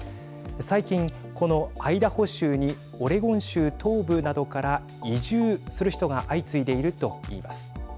最近このアイダホ州にオレゴン州東部などから移住する人が相次いでいると言います。